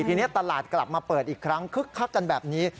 ทีนี้ตลาดกลับมาเปิดอีกครั้งคึกคักกันแบบนี้